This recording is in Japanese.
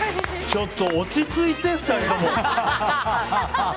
ちょっと落ち着いて２人とも。